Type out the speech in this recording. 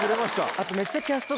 あとめっちゃ。